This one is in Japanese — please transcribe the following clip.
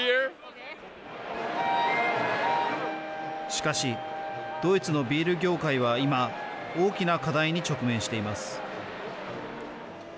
しかしドイツのビール業界は今大きな課題に直面しています。